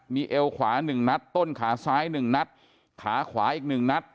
มีเอวขวา๑นัดต้นขาซ้าย๑นัดขาขวาอีก๑นัด